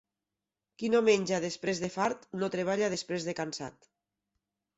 Qui no menja després de fart, no treballa després de cansat.